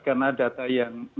karena data yang mahal